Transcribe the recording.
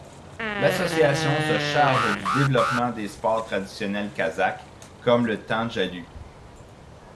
L'association se charge du développement des sports traditionnels kazakhs, comme le tenge alu.